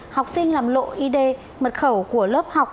học sinh làm lộ id mật khẩu của lớp học